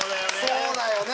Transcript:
そうだよね。